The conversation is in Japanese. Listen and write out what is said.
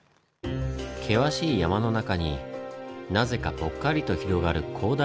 険しい山の中になぜかぽっかりと広がる広大な中州。